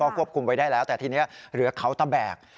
ควบคุมไว้ได้แล้วแต่ทีนี้เหลือเขาตะแบก